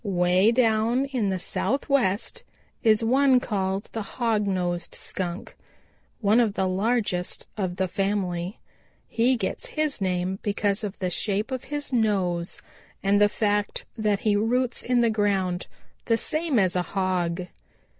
Way down in the Southwest is one called the Hog nosed Skunk, one of the largest of the family. He gets his name because of the shape of his nose and the fact that he roots in the ground the same as a hog.